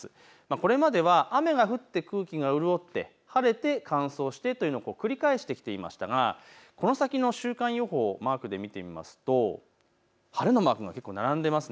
これまでは雨が降って空気が潤って、晴れて乾燥してというのを繰り返してきていましたが、この先の週間予報をマークで見てみますと晴れのマークが結構並んでいます。